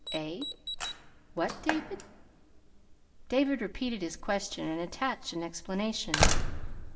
"Eh what, David?" David repeated his question and attached an explanation.